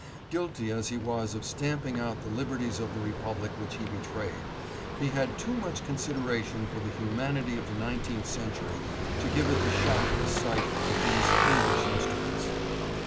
Guilty as he was of stamping out the lib erties of the Republic which he betrayed, he had too much consideration for the humanity of the nineteenth century to give it the shock of a sight of these fiendish instruments.